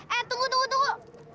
eh eh tunggu tunggu tunggu